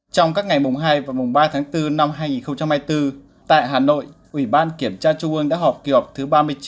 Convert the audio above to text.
trong các ngày mùng hai và mùng ba tháng bốn năm hai nghìn hai mươi bốn tại hà nội ủy ban kiểm tra trung ương đã họp kỳ họp thứ ba mươi chín